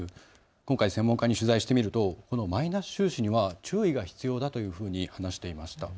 今回専門家に取材してみるとこのマイナス収支には注意が必要だというふうに話していました。